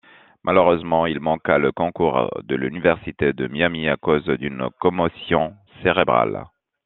Malheureusement il manqua le concours de l'Université de Miami à cause d'une commotion cérébrale.